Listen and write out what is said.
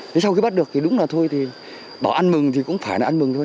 thế sau khi bắt được thì đúng là thôi thì bảo ăn mừng thì cũng phải là ăn mừng thôi